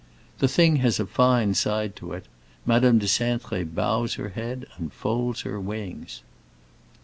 The thing has a fine side to it. Madame de Cintré bows her head and folds her wings."